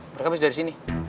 mereka habis dari sini